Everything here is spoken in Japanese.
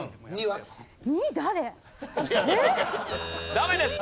ダメです！